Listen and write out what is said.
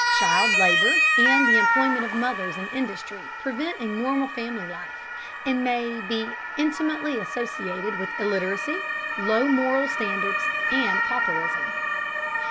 Child labor and the employment of mothers in industry prevent a normal family life, and may be intimately associated with illiteracy, low moral standards, and pauperism.